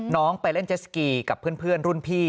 ไปเล่นเจสกีกับเพื่อนรุ่นพี่